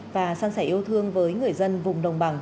và sang sẻ yêu thương với người dân vùng đồng bằng